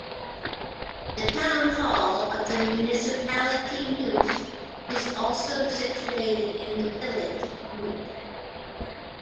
The town hall of the municipality Nuth is also situated in the village Nuth.